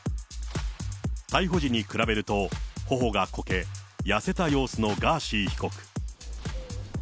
逮捕時に比べると、ほおがこけ、痩せた様子のガーシー被告。